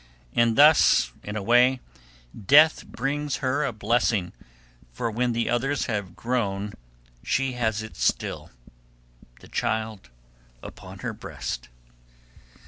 And thus in a way Death brings her a blessing, for when the others have grown she has it still the child upon her breast.